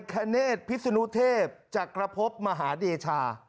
คเนธพิศนุเทพจักรพบมหาเดชา